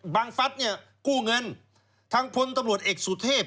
บางฟัตกู้เงินทั้งพลตำรวจเอกสุเทพ